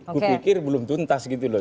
kupikir belum tuntas gitu loh